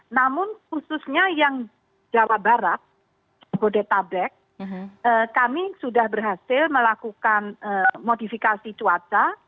namun khususnya yang jawa barat jabodetabek kami sudah berhasil melakukan modifikasi cuaca